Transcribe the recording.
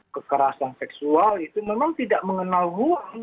kekerasan seksual itu memang tidak mengenal uang